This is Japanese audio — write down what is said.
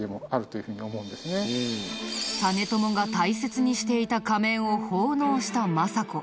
実朝が大切にしていた仮面を奉納した政子。